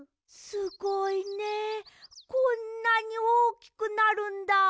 すごいねこんなにおおきくなるんだ。